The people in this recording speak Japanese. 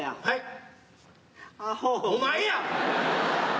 はい。